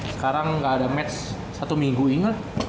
sekarang gak ada match satu minggu ini lah